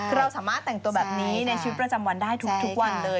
เราสามารถแต่งตัวแบบนี้ในชีวิตประจำวันได้ทุกวันเลย